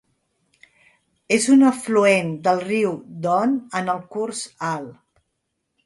És un afluent del riu Don en el curs alt.